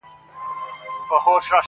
ده په ژوند داسي دانه نه وه لیدلې -